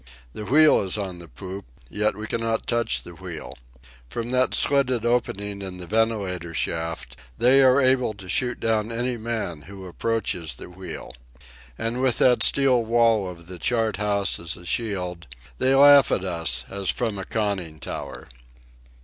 The wheel is on the poop, yet we cannot touch the wheel. From that slitted opening in the ventilator shaft they are able to shoot down any man who approaches the wheel. And with that steel wall of the chart house as a shield they laugh at us as from a conning tower.